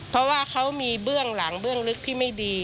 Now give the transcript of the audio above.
เพราะว่าเขามีเบื้องหลังเบื้องลึกที่ไม่ดี